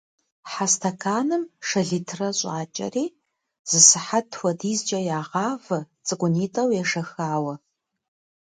Хьэ стэканым шэ литр щӏакӏэри, зы сыхьэт хуэдизкӏэ ягъавэ, цӏыкӏунитӏэу ешэхауэ.